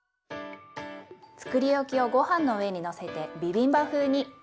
つくりおきをごはんの上にのせてビビンバ風に。